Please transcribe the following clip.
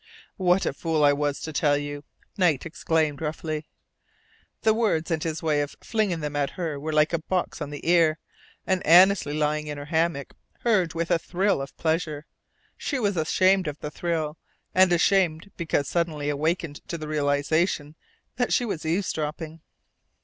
"What a fool I was to tell you!" Knight exclaimed, roughly. The words and his way of flinging them at her were like a box on the ear; and Annesley, lying in her hammock, heard with a thrill of pleasure. She was ashamed of the thrill, and ashamed (because suddenly awakened to the realization) that she was eavesdropping.